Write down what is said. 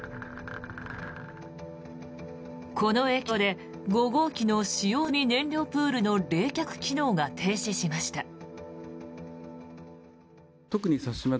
この影響で５号機の使用済み燃料プールの冷却機能が停止しました。